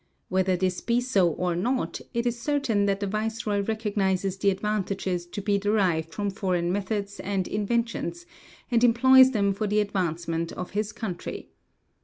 Whether this be so or not, it is certain that the viceroy recognizes the advantages to be derived from foreign methods and inventions, and employs them for the advancement of his country.